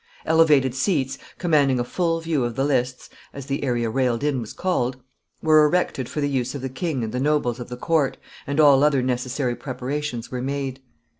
Elevated seats, commanding a full view of the lists, as the area railed in was called, were erected for the use of the king and the nobles of the court, and all other necessary preparations were made.